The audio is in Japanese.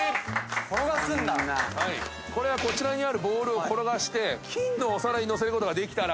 こちらにあるボールを転がして金のお皿に乗せることができたら。